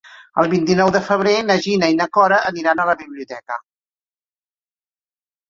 El vint-i-nou de febrer na Gina i na Cora aniran a la biblioteca.